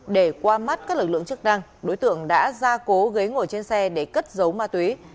để qua mắt các lực lượng chức năng đối tượng đã ra cố ghế ngồi trên xe để cất giấu ma túy